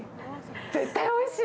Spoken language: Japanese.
絶対おいしい。